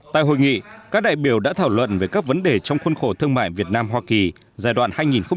tại hội nghị các đại biểu đã thảo luận về các vấn đề trong khuôn khổ thương mại việt nam hoa kỳ giai đoạn hai nghìn một mươi sáu hai nghìn hai mươi